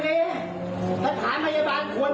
ถ้าผ่านบรรยาบาล